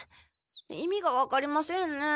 意味が分かりませんね。